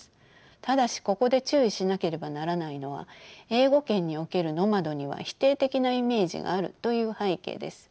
ただしここで注意しなければならないのは英語圏における「ノマド」には否定的なイメージがあるという背景です。